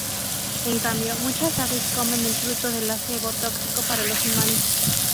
En cambio, muchas aves comen el fruto del acebo tóxico para los humanos.